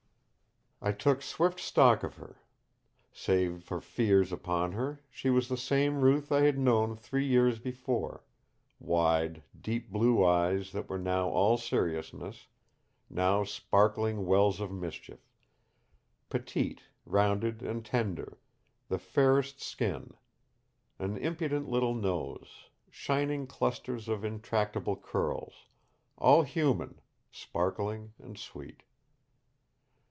I took swift stock of her. Save for fear upon her, she was the same Ruth I had known three years before; wide, deep blue eyes that were now all seriousness, now sparkling wells of mischief; petite, rounded and tender; the fairest skin; an impudent little nose; shining clusters of intractable curls; all human, sparkling and sweet.